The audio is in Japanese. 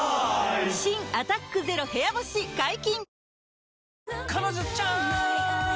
新「アタックＺＥＲＯ部屋干し」解禁‼